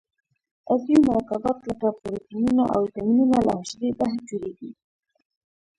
عضوي مرکبات لکه پروټینونه او وېټامینونه له حجرې بهر جوړیږي.